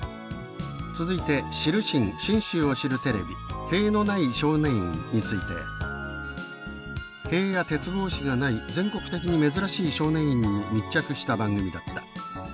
続いて知るしん信州を知るテレビ「塀のない少年院」について「塀や鉄格子がない全国的に珍しい少年院に密着した番組だった。